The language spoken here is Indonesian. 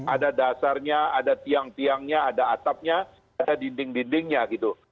ada dasarnya ada tiang tiangnya ada atapnya ada dinding dindingnya gitu